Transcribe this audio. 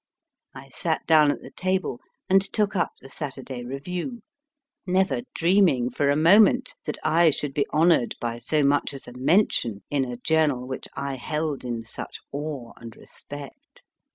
I sat down at the table, and took up the Saturday Review, never dreaming for a moment that I should be honoured by so much as a mention in a journal which I held in such awe and respect.